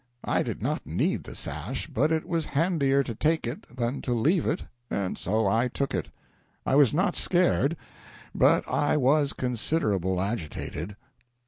I did not need the sash, but it was handier to take it than to leave it, and so I took it. I was not scared, but I was considerable agitated."